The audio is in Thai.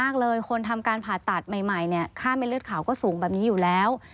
เขาถาวก็สูงแบบนี้อยู่แล้ว